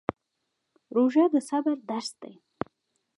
روژه د صبر درس دی